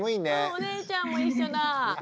お姉ちゃんも一緒だ。